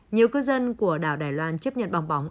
nhiều cư dân của đảo đài loan chấp nhận bong bóng